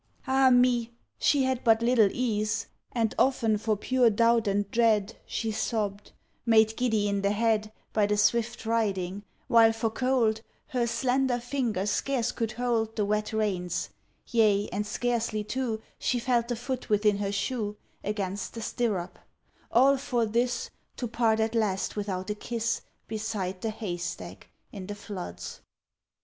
Ah me! she had but little ease; And often for pure doubt and dread She sobb'd, made giddy in the head By the swift riding; while, for cold, Her slender fingers scarce could hold The wet reins; yea, and scarcely, too, She felt the foot within her shoe Against the stirrup: all for this, To part at last without a kiss Beside the haystack in the floods.